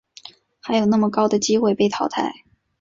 还有那么高的机会被淘汰